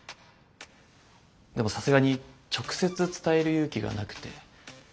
でもさすがに直接伝える勇気がなくて。